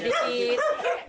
tidak pernah disalahkan